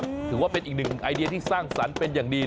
ถือว่าเป็นอีกหนึ่งไอเดียที่สร้างสรรค์เป็นอย่างดี